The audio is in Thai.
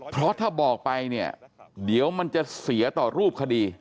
เพราะถ้าบอกไปเนี่ยเดี๋ยวมันจะเสียต่อรูปคดี